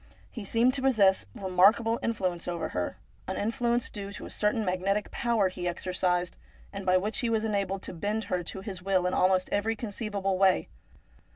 He seemed to possess remarkable influence over her, an influence due to a certain magnetic power he exercised, and by which he was enabled to bend her to his will in almost every conceivable way.